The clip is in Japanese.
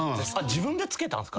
自分で付けたんすか？